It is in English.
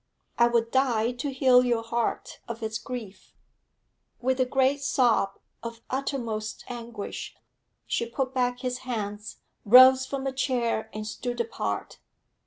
I would die to heal your heart of its grief!' With a great sob of uttermost anguish, she put back his hands, rose from the chair, and stood apart.